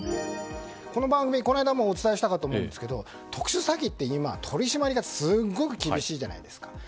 この番組でこの間もお伝えしたかと思いますが特殊詐欺って今、取り締まりがすごく厳しいじゃないですか。